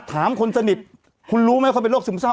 ถามคนสนิทคุณรู้ไหมว่าเขาเป็นโรคซึมซ่าว